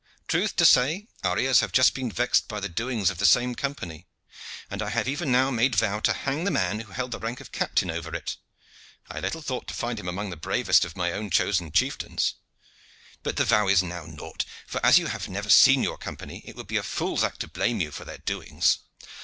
Truth to say, our ears have just been vexed by the doings of the same company, and I have even now made vow to hang the man who held the rank of captain over it. I little thought to find him among the bravest of my own chosen chieftains. But the vow is now nought, for, as you have never seen your company, it would be a fool's act to blame you for their doings."